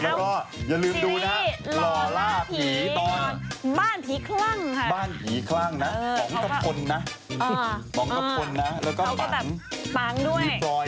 แล้วก็อย่าลืมดูนะรอล่าผีบ้านผีคลั่งบ้านผีคลั่งนะของกับคนนะแล้วก็ปังด้วยมีบรอยด้วยมีแพร่เอกใหม่มีน้องเก่งน้องบอสสวยทั้งนั้นเลย